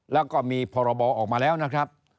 แล้วก็มีพรบออกมาแล้วนะครับ